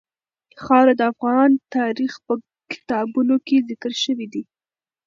خاوره د افغان تاریخ په کتابونو کې ذکر شوی دي.